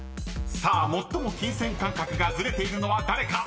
［さあ最も金銭感覚がずれているのは誰か？］